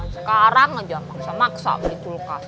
sekarang aja maksa maksa beli kulkas